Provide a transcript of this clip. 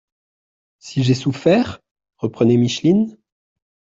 —«Si j’ai souffert !…» reprenait Micheline.